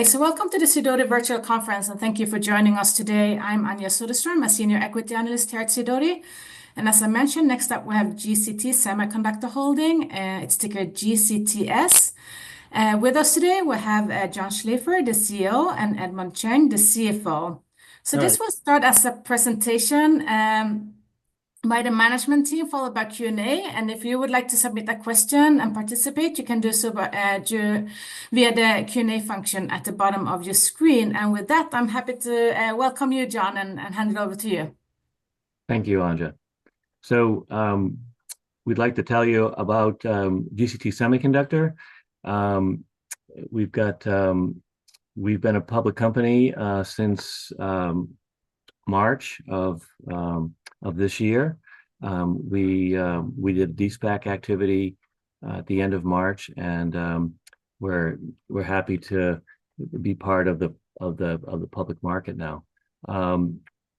Okay, so welcome to the Sidoti Virtual Conference, and thank you for joining us today. I'm Anya Soderstrom, a Senior Equity Analyst here at Sidoti. And as I mentioned, next up we have GCT Semiconductor Holding, its ticker GCTS. With us today, we have John Schlaefer, the CEO, and Edmond Cheng, the CFO. So this will start as a presentation by the management team, followed by Q&A. And if you would like to submit a question and participate, you can do so via the Q&A function at the bottom of your screen. And with that, I'm happy to welcome you, John, and hand it over to you. Thank you, Anya, so we'd like to tell you about GCT Semiconductor. We've been a public company since March of this year. We did a De-SPAC activity at the end of March, and we're happy to be part of the public market now,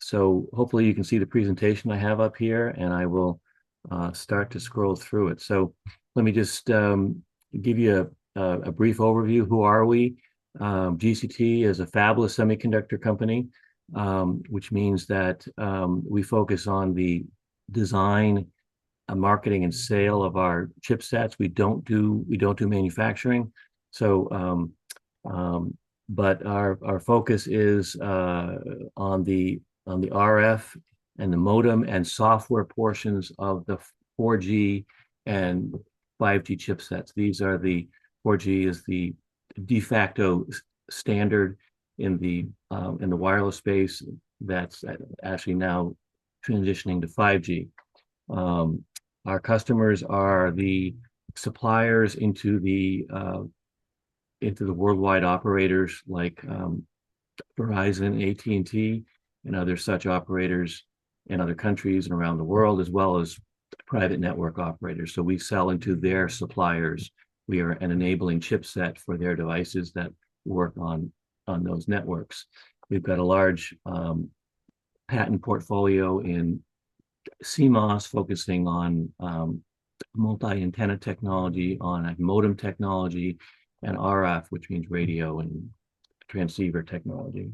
so hopefully you can see the presentation I have up here, and I will start to scroll through it, so let me just give you a brief overview. Who are we? GCT is a fabless semiconductor company, which means that we focus on the design, marketing, and sale of our chipsets. We don't do manufacturing, but our focus is on the RF and the modem and software portions of the 4G and 5G chipsets. These are the 4G is the de facto standard in the wireless space that's actually now transitioning to 5G. Our customers are the suppliers into the worldwide operators like Verizon, AT&T, and other such operators in other countries and around the world, as well as private network operators. So we sell into their suppliers. We are an enabling chipset for their devices that work on those networks. We've got a large patent portfolio in CMOS, focusing on multi-antenna technology, on modem technology, and RF, which means radio and transceiver technology,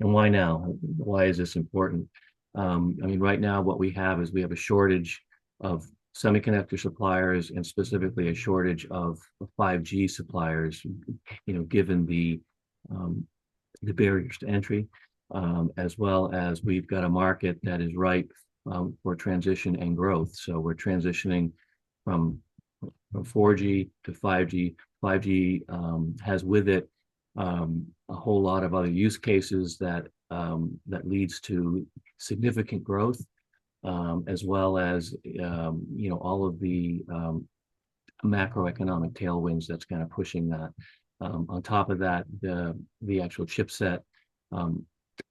and why now? Why is this important? I mean, right now, what we have is a shortage of semiconductor suppliers and specifically a shortage of 5G suppliers, given the barriers to entry, as well as we've got a market that is ripe for transition and growth, so we're transitioning from 4G to 5G. 5G has with it a whole lot of other use cases that lead to significant growth, as well as all of the macroeconomic tailwinds that's kind of pushing that. On top of that, the actual chipset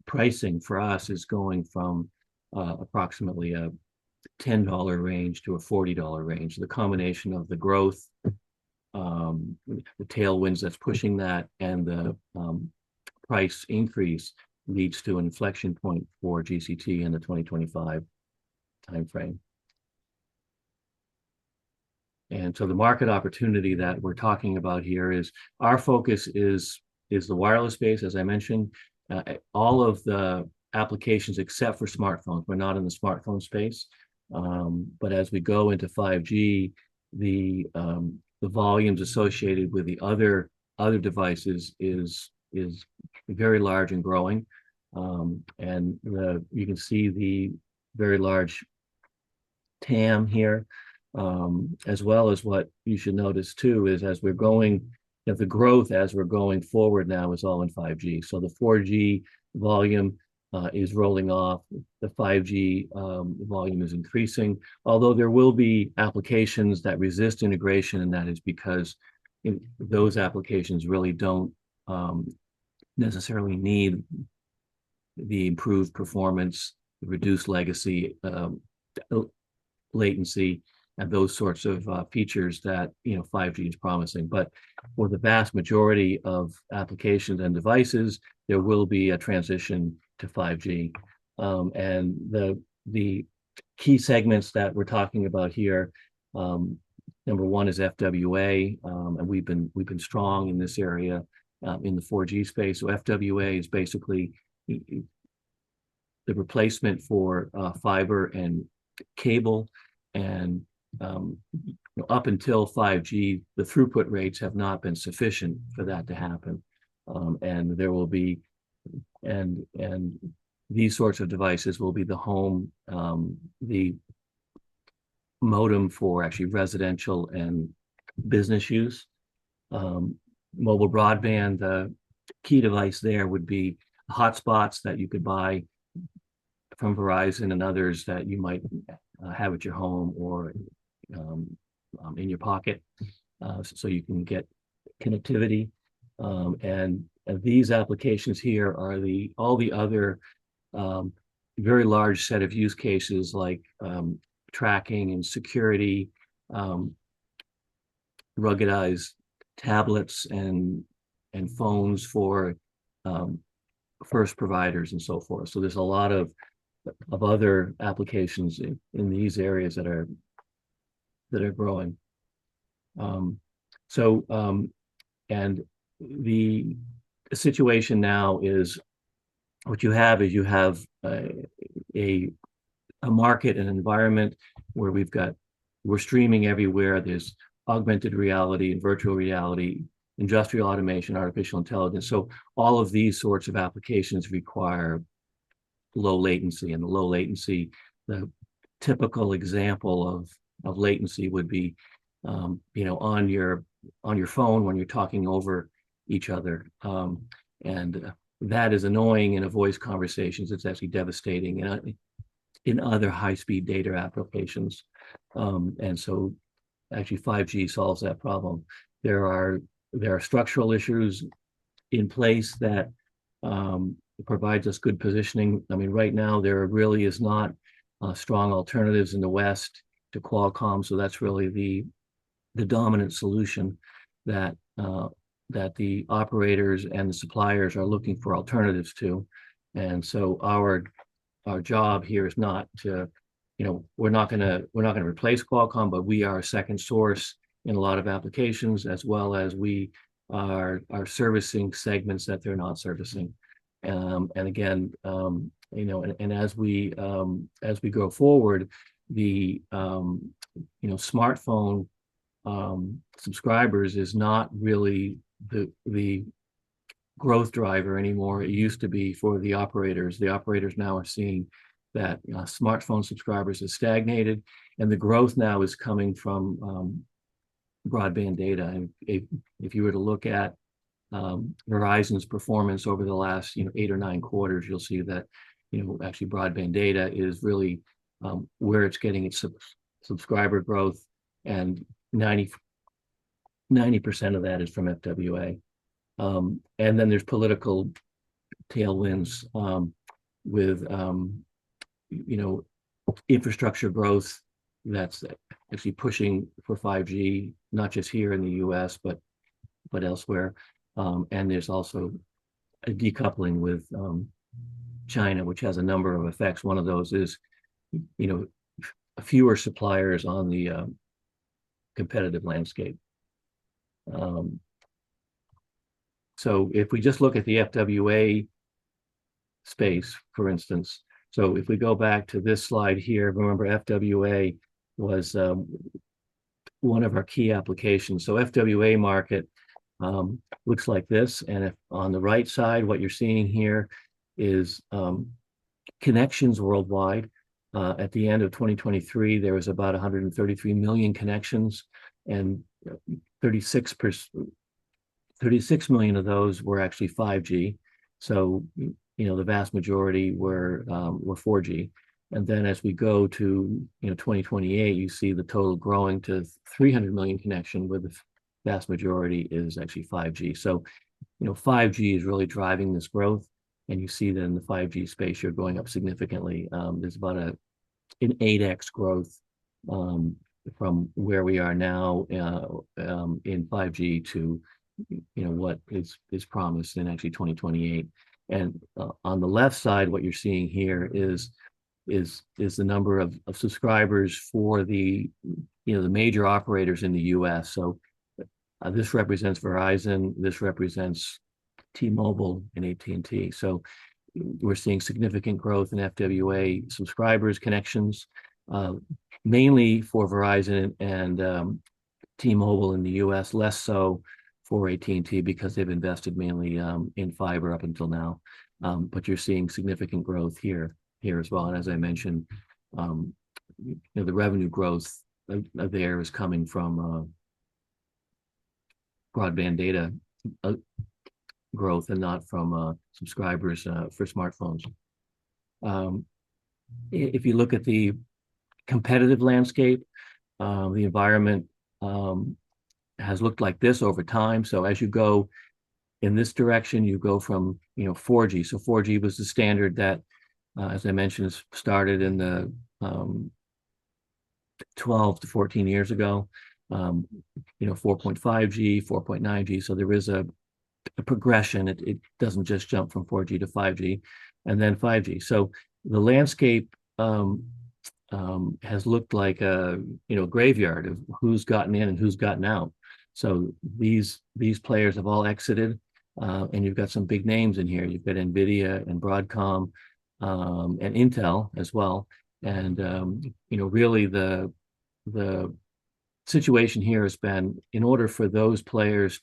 pricing for us is going from approximately a $10 range to a $40 range. The combination of the growth, the tailwinds that's pushing that, and the price increase leads to an inflection point for GCT in the 2025 timeframe. And so the market opportunity that we're talking about here is our focus is the wireless space, as I mentioned. All of the applications except for smartphones, we're not in the smartphone space. But as we go into 5G, the volumes associated with the other devices is very large and growing. And you can see the very large TAM here, as well as what you should notice, too, is as we're going, the growth, as we're going forward now, is all in 5G, so the 4G volume is rolling off. The 5G volume is increasing. Although there will be applications that resist integration, and that is because those applications really don't necessarily need the improved performance, reduced legacy latency, and those sorts of features that 5G is promising, but for the vast majority of applications and devices, there will be a transition to 5G, and the key segments that we're talking about here, number one is FWA, and we've been strong in this area in the 4G space, so FWA is basically the replacement for fiber and cable, and up until 5G, the throughput rates have not been sufficient for that to happen. There will be, and these sorts of devices will be the modem for actually residential and business use. Mobile broadband, the key device there would be hotspots that you could buy from Verizon and others that you might have at your home or in your pocket so you can get connectivity. These applications here are all the other very large set of use cases like tracking and security, ruggedized tablets and phones for first responders and so forth. There's a lot of other applications in these areas that are growing. The situation now is what you have is you have a market and environment where we've got, we're streaming everywhere. There's augmented reality and virtual reality, industrial automation, artificial intelligence. All of these sorts of applications require low latency. And the low latency, the typical example of latency would be on your phone when you're talking over each other. And that is annoying in a voice conversation. It's actually devastating in other high-speed data applications. And so actually 5G solves that problem. There are structural issues in place that provide us good positioning. I mean, right now there really is not strong alternatives in the West to Qualcomm. So that's really the dominant solution that the operators and the suppliers are looking for alternatives to. And so our job here is not to, we're not going to replace Qualcomm, but we are a second source in a lot of applications, as well as we are servicing segments that they're not servicing. And again, and as we go forward, the smartphone subscribers is not really the growth driver anymore. It used to be for the operators. The operators now are seeing that smartphone subscribers have stagnated, and the growth now is coming from broadband data. If you were to look at Verizon's performance over the last eight or nine quarters, you'll see that actually broadband data is really where it's getting its subscriber growth, and 90% of that is from FWA, and then there's political tailwinds with infrastructure growth that's actually pushing for 5G, not just here in the U.S., but elsewhere, and there's also a decoupling with China, which has a number of effects. One of those is fewer suppliers on the competitive landscape, so if we just look at the FWA space, for instance, so if we go back to this slide here, remember FWA was one of our key applications, so FWA market looks like this, and on the right side, what you're seeing here is connections worldwide. At the end of 2023, there was about 133 million connections, and 36 million of those were actually 5G. So the vast majority were 4G. And then as we go to 2028, you see the total growing to 300 million connections, where the vast majority is actually 5G. So 5G is really driving this growth, and you see that in the 5G space, you're going up significantly. There's about an 8x growth from where we are now in 5G to what is promised in actually 2028. And on the left side, what you're seeing here is the number of subscribers for the major operators in the U.S. So this represents Verizon. This represents T-Mobile and AT&T. So we're seeing significant growth in FWA subscribers' connections, mainly for Verizon and T-Mobile in the U.S., less so for AT&T because they've invested mainly in fiber up until now. But you're seeing significant growth here as well. And as I mentioned, the revenue growth there is coming from broadband data growth and not from subscribers for smartphones. If you look at the competitive landscape, the environment has looked like this over time. So as you go in this direction, you go from 4G. So 4G was the standard that, as I mentioned, started 12 to 14 years ago, 4.5G, 4.9G. So there is a progression. It doesn't just jump from 4G to 5G and then 5G. So the landscape has looked like a graveyard of who's gotten in and who's gotten out. So these players have all exited, and you've got some big names in here. You've got NVIDIA and Broadcom and Intel as well. And really the situation here has been, in order for those players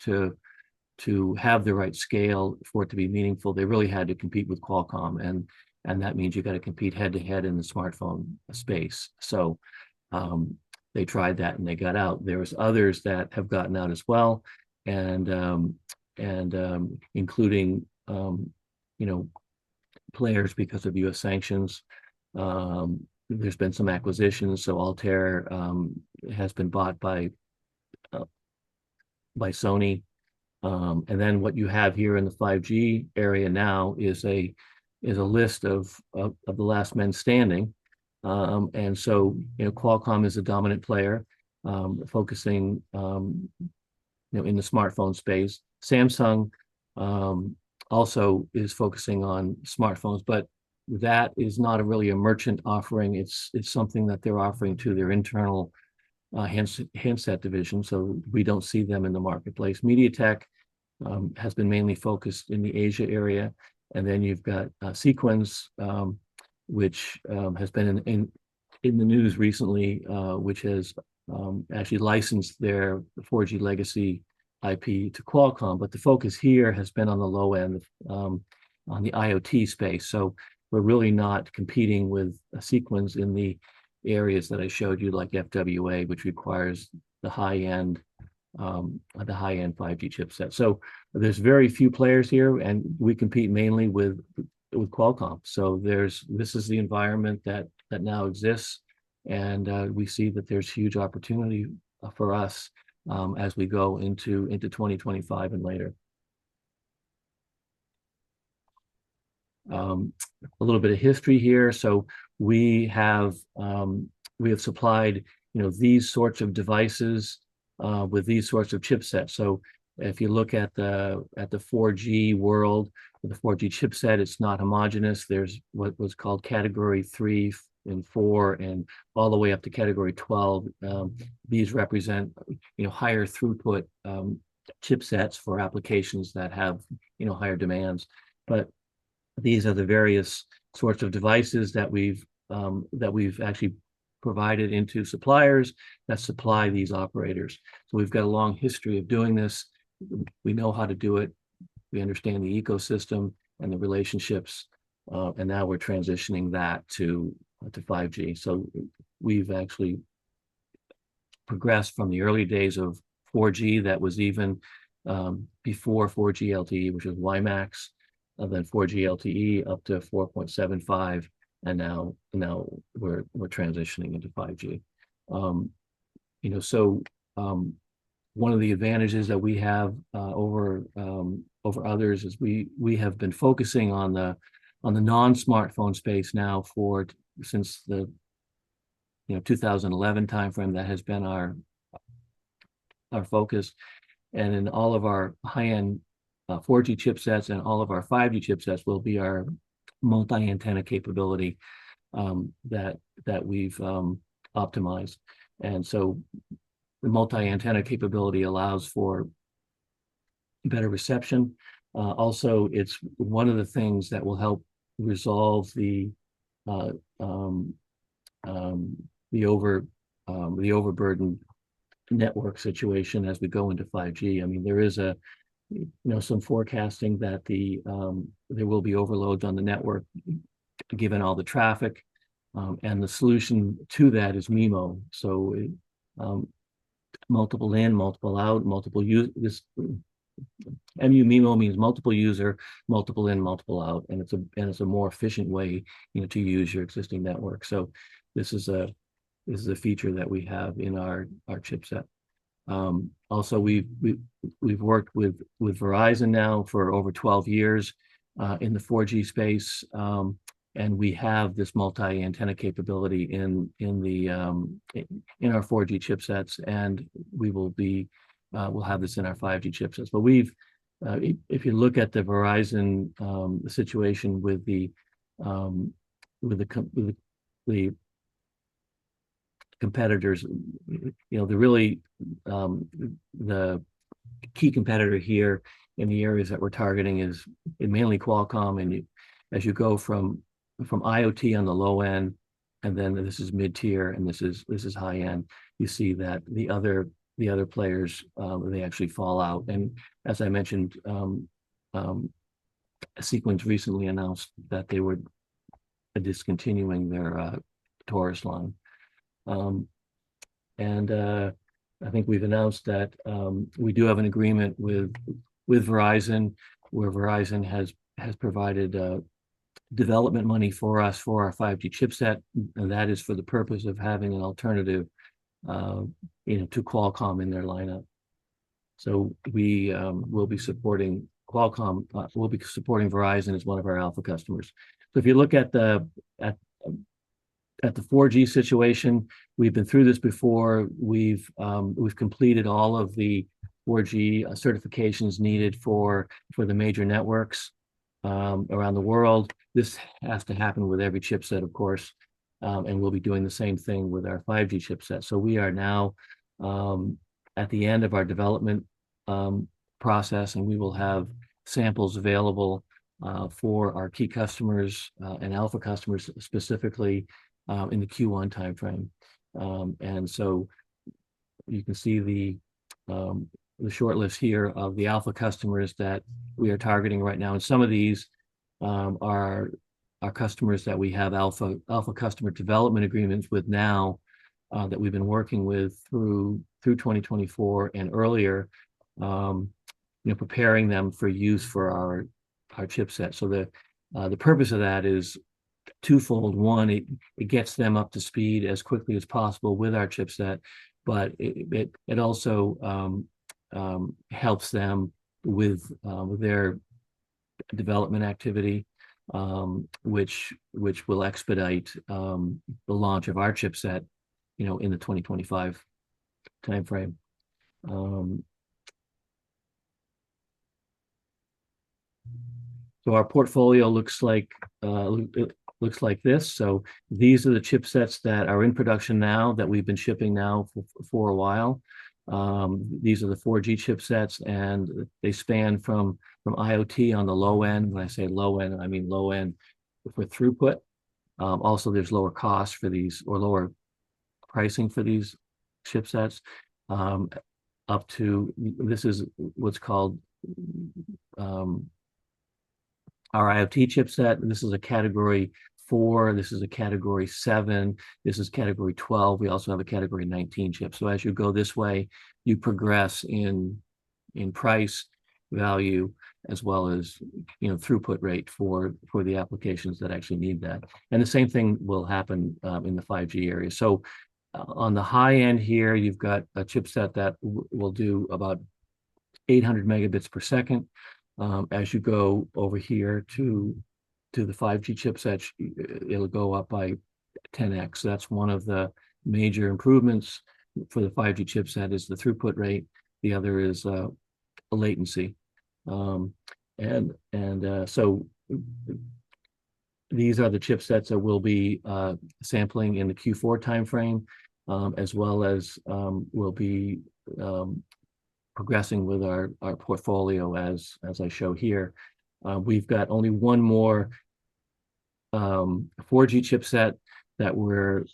to have the right scale for it to be meaningful, they really had to compete with Qualcomm. And that means you've got to compete head to head in the smartphone space. So they tried that and they got out. There are others that have gotten out as well, including players because of U.S. sanctions. There's been some acquisitions. So Altair has been bought by Sony. And then what you have here in the 5G area now is a list of the last men standing. And so Qualcomm is a dominant player focusing in the smartphone space. Samsung also is focusing on smartphones, but that is not really a merchant offering. It's something that they're offering to their internal handset division. So we don't see them in the marketplace. MediaTek has been mainly focused in the Asia area. And then you've got Sequans, which has been in the news recently, which has actually licensed their 4G legacy IP to Qualcomm. But the focus here has been on the low end, on the IoT space. So we're really not competing with Sequans in the areas that I showed you, like FWA, which requires the high-end 5G chipset. So there's very few players here, and we compete mainly with Qualcomm. So this is the environment that now exists, and we see that there's huge opportunity for us as we go into 2025 and later. A little bit of history here. So we have supplied these sorts of devices with these sorts of chipsets. So if you look at the 4G world, the 4G chipset, it's not homogeneous. There's what's called category three and four and all the way up to category 12. These represent higher throughput chipsets for applications that have higher demands. But these are the various sorts of devices that we've actually provided into suppliers that supply these operators. So we've got a long history of doing this. We know how to do it. We understand the ecosystem and the relationships. And now we're transitioning that to 5G. So one of the advantages that we have over others is we have been focusing on the non-smartphone space now since the 2011 timeframe that has been our focus. And in all of our high-end 4G chipsets and all of our 5G chipsets will be our multi-antenna capability that we've optimized. And so the multi-antenna capability allows for better reception. Also, it's one of the things that will help resolve the overburdened network situation as we go into 5G. I mean, there is some forecasting that there will be overload on the network given all the traffic. And the solution to that is MIMO. So multiple in, multiple out, multiple-users. MU-MIMO means multiple-user, multiple in, multiple out. And it's a more efficient way to use your existing network. So this is a feature that we have in our chipset. Also, we've worked with Verizon now for over 12 years in the 4G space. And we have this multi-antenna capability in our 4G chipsets. And we will have this in our 5G chipsets. But if you look at the Verizon situation with the competitors, really the key competitor here in the areas that we're targeting is mainly Qualcomm. And as you go from IoT on the low end, and then this is mid-tier, and this is high-end, you see that the other players, they actually fall out. And as I mentioned, Sequans recently announced that they were discontinuing their Taurus line. And I think we've announced that we do have an agreement with Verizon, where Verizon has provided development money for us for our 5G chipset. And that is for the purpose of having an alternative to Qualcomm in their lineup. So we will be supporting Qualcomm. We'll be supporting Verizon as one of our alpha customers. So if you look at the 4G situation, we've been through this before. We've completed all of the 4G certifications needed for the major networks around the world. This has to happen with every chipset, of course. And we'll be doing the same thing with our 5G chipset. We are now at the end of our development process, and we will have samples available for our key customers and alpha customers specifically in the Q1 timeframe. You can see the shortlist here of the alpha customers that we are targeting right now. Some of these are customers that we have alpha customer development agreements with now that we've been working with through 2024 and earlier, preparing them for use for our chipset. The purpose of that is twofold. One, it gets them up to speed as quickly as possible with our chipset, but it also helps them with their development activity, which will expedite the launch of our chipset in the 2025 timeframe. Our portfolio looks like this. These are the chipsets that are in production now that we've been shipping now for a while. These are the 4G chipsets, and they span from IoT on the low end. When I say low end, I mean low end with throughput. Also, there's lower cost for these or lower pricing for these chipsets. This is what's called our IoT chipset. This is a category four. This is a category seven. This is category 12. We also have a category 19 chip. So as you go this way, you progress in price, value, as well as throughput rate for the applications that actually need that, and the same thing will happen in the 5G area. So on the high end here, you've got a chipset that will do about 800 Mbps. As you go over here to the 5G chipset, it'll go up by 10x. That's one of the major improvements for the 5G chipset is the throughput rate. The other is latency. These are the chipsets that we'll be sampling in the Q4 timeframe, as well as we'll be progressing with our portfolio as I show here. We've got only one more 4G chipset that we're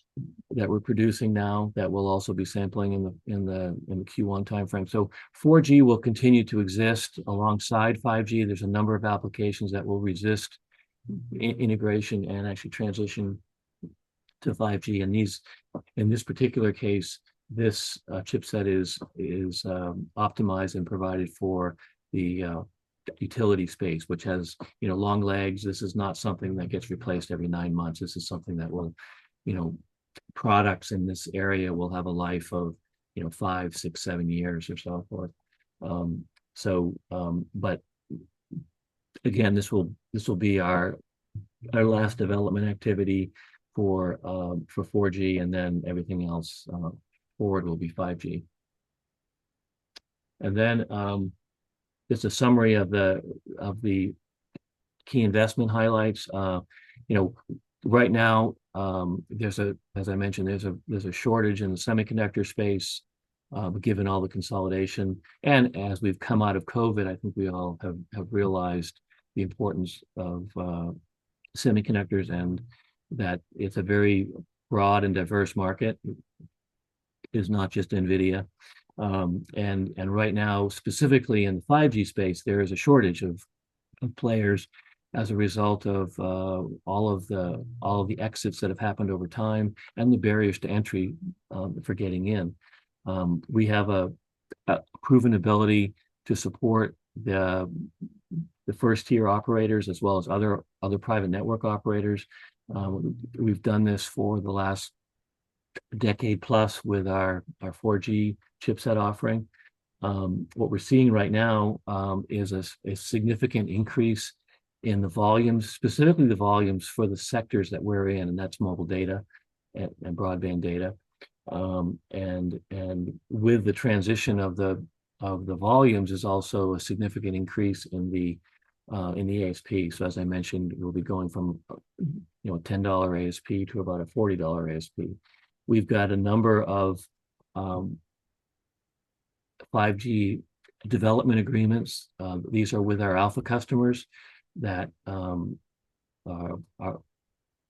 producing now that will also be sampling in the Q1 timeframe. 4G will continue to exist alongside 5G. There's a number of applications that will resist integration and actually transition to 5G. In this particular case, this chipset is optimized and provided for the utility space, which has long legs. This is not something that gets replaced every nine months. This is something that will. Products in this area will have a life of five, six, seven years or so forth. Again, this will be our last development activity for 4G, and then everything else forward will be 5G. It's a summary of the key investment highlights. Right now, as I mentioned, there's a shortage in the semiconductor space, given all the consolidation, and as we've come out of COVID, I think we all have realized the importance of semiconductors and that it's a very broad and diverse market. It's not just NVIDIA, and right now, specifically in the 5G space, there is a shortage of players as a result of all of the exits that have happened over time and the barriers to entry for getting in. We have a proven ability to support the first-tier operators as well as other private network operators. We've done this for the last decade plus with our 4G chipset offering. What we're seeing right now is a significant increase in the volumes, specifically the volumes for the sectors that we're in, and that's mobile data and broadband data. With the transition of the volumes is also a significant increase in the ASP. So as I mentioned, we'll be going from a $10 ASP to about a $40 ASP. We've got a number of 5G development agreements. These are with our alpha customers that are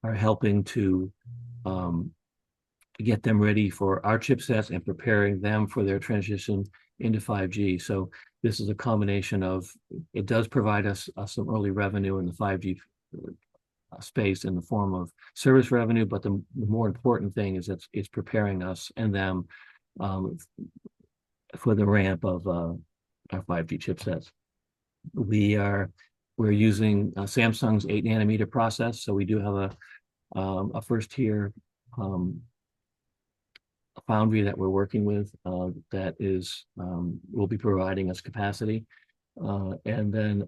helping to get them ready for our chipsets and preparing them for their transition into 5G. So this is a combination of, it does provide us some early revenue in the 5G space in the form of service revenue, but the more important thing is it's preparing us and them for the ramp of our 5G chipsets. We're using Samsung's 8-nanometer process, so we do have a first-tier foundry that we're working with that will be providing us capacity. And then,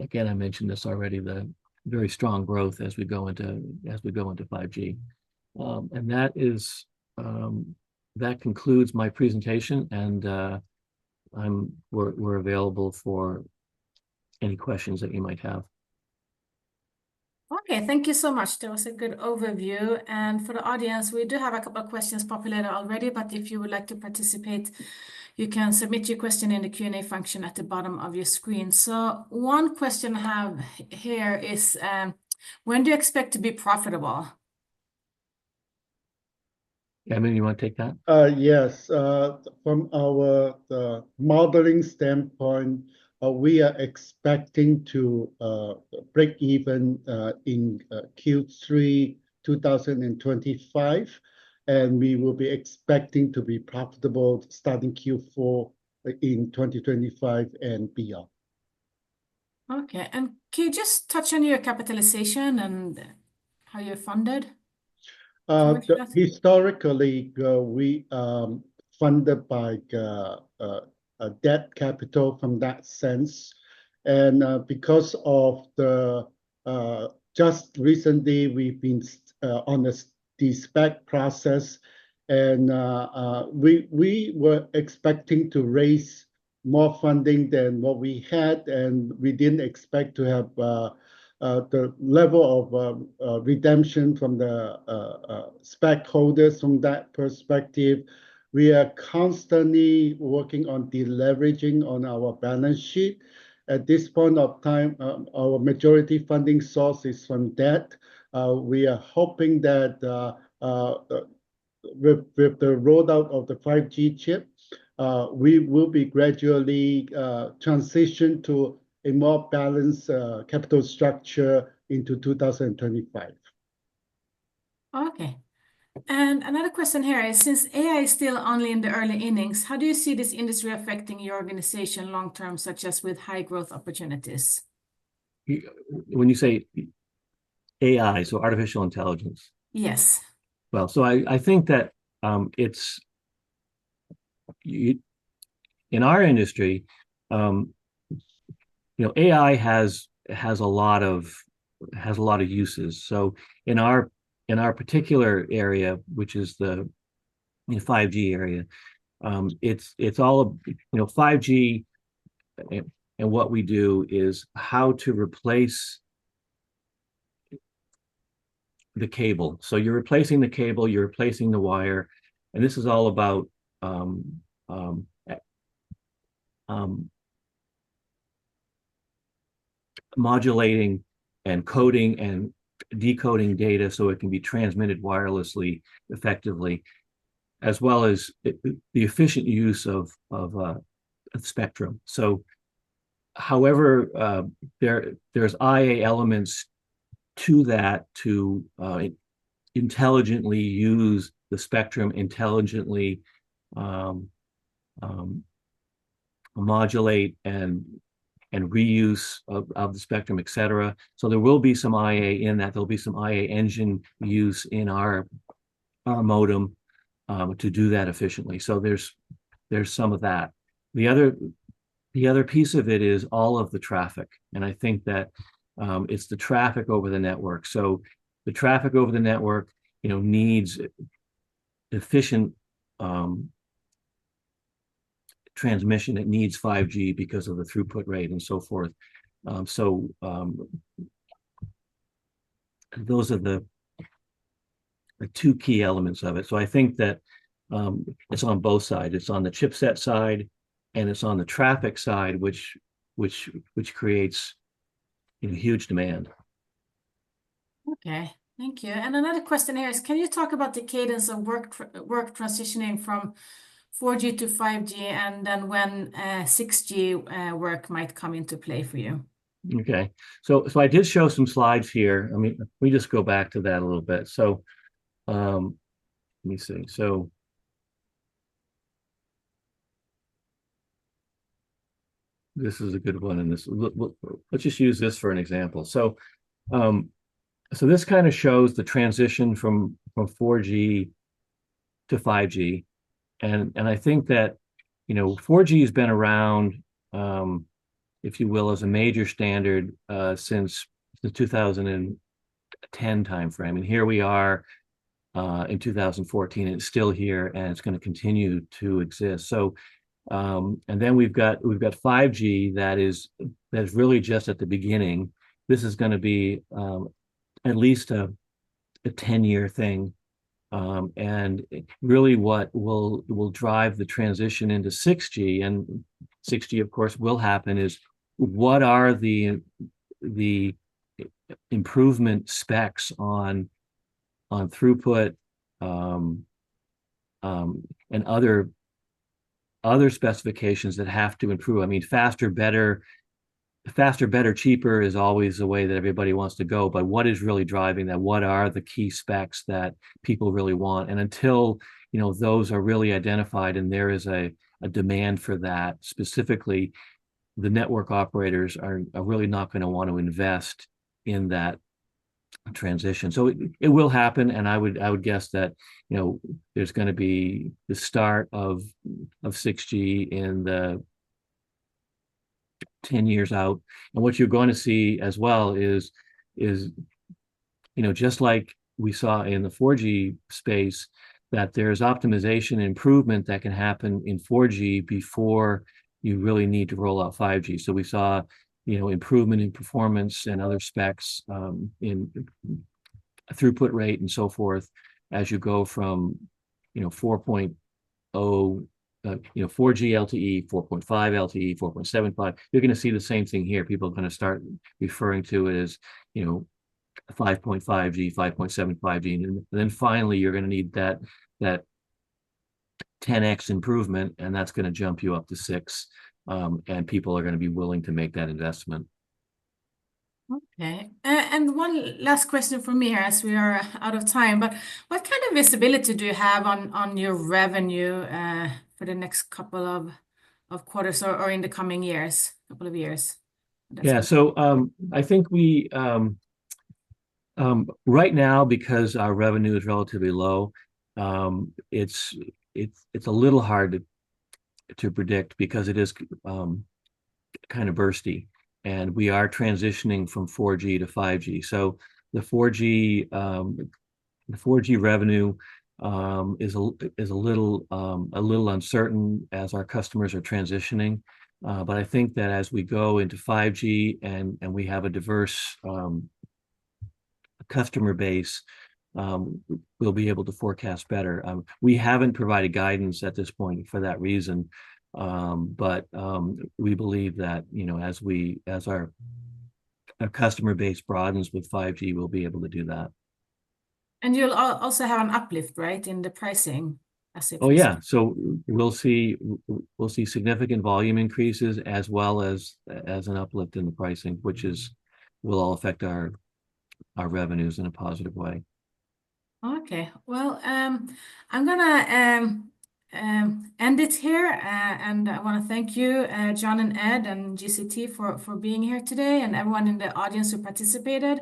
again, I mentioned this already, the very strong growth as we go into 5G. That concludes my presentation, and we're available for any questions that you might have. Okay. Thank you so much. That was a good overview. And for the audience, we do have a couple of questions populated already, but if you would like to participate, you can submit your question in the Q&A function at the bottom of your screen. So one question I have here is, when do you expect to be profitable? Edmond, you want to take that? Yes. From our modeling standpoint, we are expecting to break even in Q3 2025, and we will be expecting to be profitable starting Q4 in 2025 and beyond. Okay. Can you just touch on your capitalization and how you're funded? Historically, we are funded by debt capital from that sense, and because of the, just recently, we've been on the SPAC process, and we were expecting to raise more funding than what we had, and we didn't expect to have the level of redemption from the SPAC holders from that perspective. We are constantly working on deleveraging on our balance sheet. At this point of time, our majority funding source is from debt. We are hoping that with the rollout of the 5G chip, we will be gradually transitioned to a more balanced capital structure into 2025. Okay. And another question here is, since AI is still only in the early innings, how do you see this industry affecting your organization long-term, such as with high-growth opportunities? When you say AI, so artificial intelligence? Yes. Well, so I think that in our industry, AI has a lot of uses. So in our particular area, which is the 5G area, it's all 5G, and what we do is how to replace the cable. So you're replacing the cable, you're replacing the wire, and this is all about modulating and coding and decoding data so it can be transmitted wirelessly effectively, as well as the efficient use of spectrum. So however, there's AI elements to that to intelligently use the spectrum, intelligently modulate and reuse of the spectrum, etc. So there will be some AI in that. There'll be some AI engine use in our modem to do that efficiently. So there's some of that. The other piece of it is all of the traffic, and I think that it's the traffic over the network. So the traffic over the network needs efficient transmission. It needs 5G because of the throughput rate and so forth. So those are the two key elements of it. So I think that it's on both sides. It's on the chipset side, and it's on the traffic side, which creates huge demand. Okay. Thank you. And another question here is, can you talk about the cadence of work transitioning from 4G to 5G and then when 6G work might come into play for you? Okay. So I did show some slides here. Let me just go back to that a little bit. So let me see. So this is a good one. Let's just use this for an example. So this kind of shows the transition from 4G to 5G, and I think that 4G has been around, if you will, as a major standard since the 2010 timeframe, and here we are in 2014, and it's still here, and it's going to continue to exist, and then we've got 5G that is really just at the beginning. This is going to be at least a 10-year thing, and really, what will drive the transition into 6G, and 6G, of course, will happen, is what are the improvement specs on throughput and other specifications that have to improve? I mean, faster, better. Faster, better, cheaper is always the way that everybody wants to go. But what is really driving that? What are the key specs that people really want? And until those are really identified and there is a demand for that, specifically, the network operators are really not going to want to invest in that transition. So it will happen, and I would guess that there's going to be the start of 6G in the 10 years out. And what you're going to see as well is, just like we saw in the 4G space, that there's optimization and improvement that can happen in 4G before you really need to roll out 5G. So we saw improvement in performance and other specs in throughput rate and so forth as you go from 4.0 4G LTE, 4.5 LTE, 4.75. You're going to see the same thing here. People are going to start referring to it as 5.5G, 5.75G. And then finally, you're going to need that 10x improvement, and that's going to jump you up to six, and people are going to be willing to make that investment. Okay. And one last question for me here as we are out of time, but what kind of visibility do you have on your revenue for the next couple of quarters or in the coming years, couple of years? Yeah, so I think right now, because our revenue is relatively low, it's a little hard to predict because it is kind of bursty, and we are transitioning from 4G to 5G, so the 4G revenue is a little uncertain as our customers are transitioning, but I think that as we go into 5G and we have a diverse customer base, we'll be able to forecast better. We haven't provided guidance at this point for that reason, but we believe that as our customer base broadens with 5G, we'll be able to do that. And you'll also have an uplift, right, in the pricing? Oh, yeah. So we'll see significant volume increases as well as an uplift in the pricing, which will all affect our revenues in a positive way. Okay. Well, I'm going to end it here, and I want to thank you, John and Ed and GCT, for being here today and everyone in the audience who participated.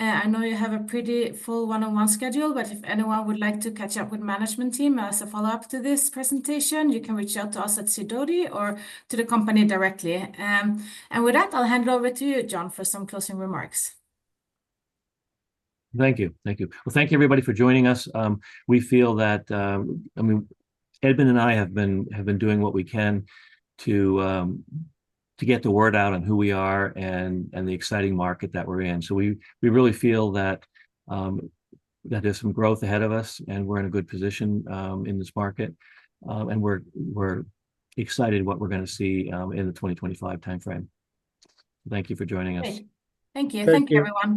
I know you have a pretty full one-on-one schedule, but if anyone would like to catch up with the management team as a follow-up to this presentation, you can reach out to us at Sidoti or to the company directly. And with that, I'll hand it over to you, John, for some closing remarks. Thank you. Thank you. Thank you, everybody, for joining us. We feel that, I mean, Edmond and I have been doing what we can to get the word out on who we are and the exciting market that we're in. So we really feel that there's some growth ahead of us, and we're in a good position in this market, and we're excited about what we're going to see in the 2025 timeframe. Thank you for joining us. Thank you. Thank you, everyone.